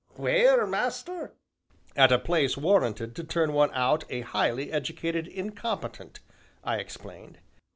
"Where, master?" "At a place warranted to turn one out a highly educated incompetent," I explained.